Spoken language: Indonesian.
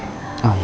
ren nih tehnya